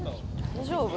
大丈夫？